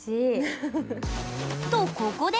とここで！